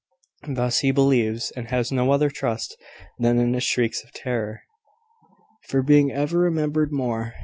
Thus he believes, and has no other trust than in his shrieks of terror, for being ever remembered more.